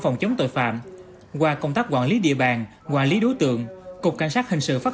phòng chống tội phạm qua công tác quản lý địa bàn quản lý đối tượng cục cảnh sát hình sự phát